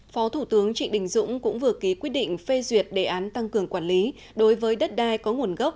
phó thủ tướng trịnh đình dũng cũng vừa ký quyết định phê duyệt đề án tăng cường quản lý đối với đất đai có nguồn gốc